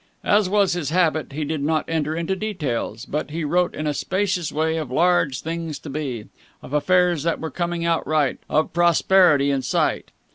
As was his habit, he did not enter into details, but he wrote in a spacious way of large things to be, of affairs that were coming out right, of prosperity in sight.